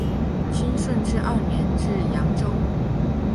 清顺治二年至扬州。